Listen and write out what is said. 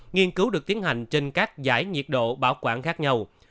nghiên cứu được tiến hành trên các giải nhiệt độ bảo quản khác nhau